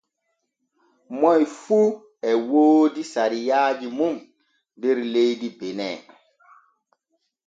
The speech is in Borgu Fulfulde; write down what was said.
Moy fu e woodi sariaaji mun der leydi bene.